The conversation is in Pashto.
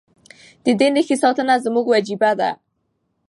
د دې نښې ساتنه زموږ وجیبه ده.